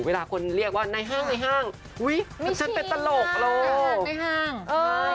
เวลาคนเรียกว่าในห้างฉันเป็นตลกเลย